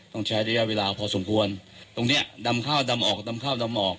ต้องใช้ระยะเวลาพอสมควรตรงเนี้ยดำข้าวดำออกดำข้าวดำออก